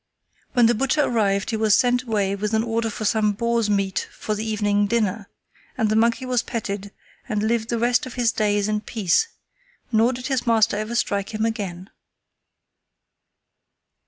When the butcher arrived he was sent away with an order for some boar's meat for the evening dinner, and the monkey was petted and lived the rest of his days in peace, nor did his master ever strike him again.